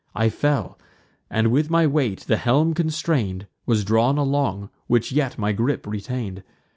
I fell; and, with my weight, the helm constrain'd Was drawn along, which yet my gripe retain'd.